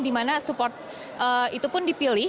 di mana support itu pun dipilih